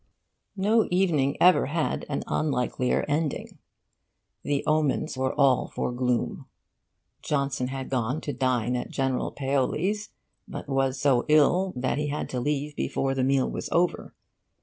No evening ever had an unlikelier ending. The omens were all for gloom. Johnson had gone to dine at General Paoli's, but was so ill that he had to leave before the meal was over.